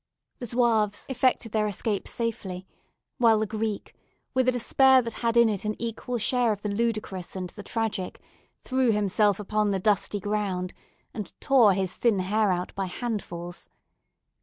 The Zouaves effected their escape safely, while the Greek, with a despair that had in it an equal share of the ludicrous and the tragic, threw himself upon the dusty ground, and tore his thin hair out by handfuls.